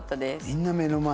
みんな目の前！